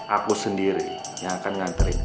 aku sendiri yang akan ngantri